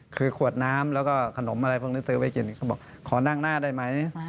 คือขวดน้ำแล้วก็ขนมอะไรพวกนี้ซื้อไว้กินเขาบอกขอนั่งหน้าได้ไหม